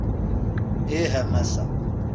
Ih a Massa.